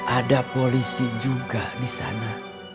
ada polisi juga di sana